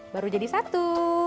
baru jadi satu